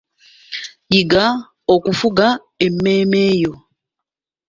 Yiga okufuga emmeeme yo.